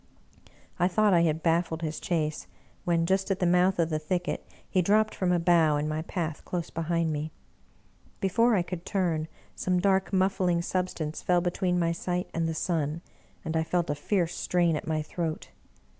I thought I had baffled his chase, when, just at the mouth of the thicket, he dropped from a bough in my path close behind me. Before I could turn, some dark muffling substance fell be tween my sight and the sun, and I felt a fierce strain at my throat.